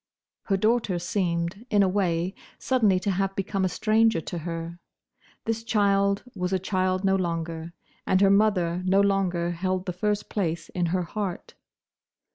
Her daughter seemed, in a way, suddenly to have become a stranger to her. This child was a child no longer, and her mother no longer held the first place in her heart.